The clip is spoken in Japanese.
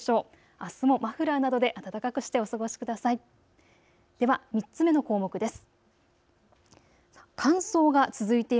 あすもマフラーなどで暖かくしてお過ごしください。